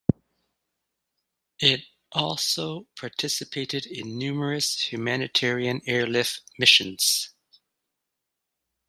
It also participated in numerous humanitarian airlift missions.